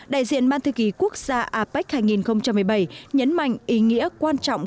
đại diện ban thư ký quốc gia apec hai nghìn một mươi bảy nhấn mạnh ý nghĩa quan trọng